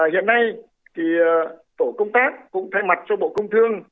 hiện nay tổ công tác cũng thay mặt cho bộ công thương